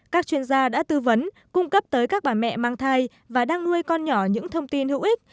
các chuyên gia đã tư vấn cung cấp tới các bà mẹ mang thai và đang nuôi con nhỏ những thông tin hữu ích